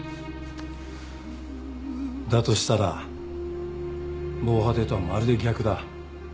だとしたら防波堤とはまるで逆だ。